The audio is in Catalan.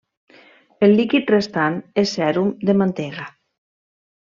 El líquid restant és sèrum de mantega.